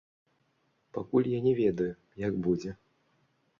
Пакуль я не ведаю, як будзе.